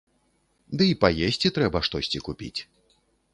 Дый паесці трэба штосьці купіць.